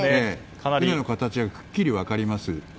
船の形がくっきり分かります。